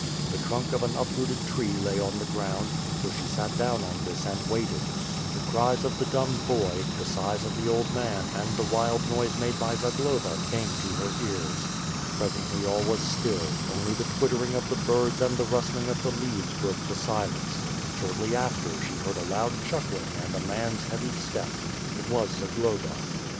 The trunk of an uprooted tree lay on the ground, so she sat down on this and waited. The cries of the dumb boy, the sighs of the old man, and the wild noise made by Zagloba came to her ears. Presently all was still; only the twittering of the birds and the rustling of the leaves broke the silence. Shortly after she heard a loud chuckling and a man's heavy step. It was Zagloba.